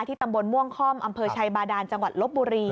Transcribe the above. ตำบลม่วงค่อมอำเภอชัยบาดานจังหวัดลบบุรี